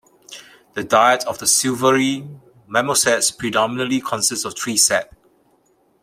The diet of the silvery marmosets predominantly consists of tree sap.